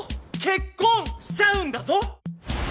結婚しちゃうんだぞ？